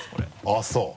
あっそう。